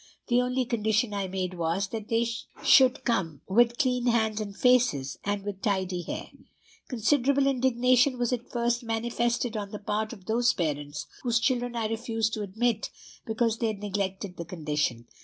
The only condition I made was, that they should come with clean hands and faces, and with tidy hair. Considerable indignation was at first manifested on the part of those parents whose children I refused to admit because they had neglected the condition.